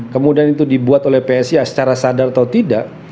kemudian itu dibuat oleh psi secara sadar atau tidak